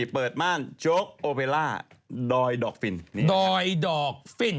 เปิดมั่นโดยดอกฟิน